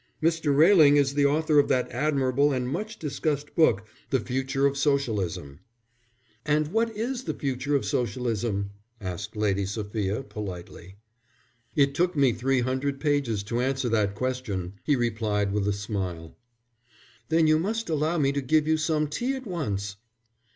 Mr. Railing is the author of that admirable and much discussed book, The Future of Socialism." "And what is the future of Socialism?" asked Lady Sophia, politely. "It took me three hundred pages to answer that question," he replied, with a smile. "Then you must allow me to give you some tea at once."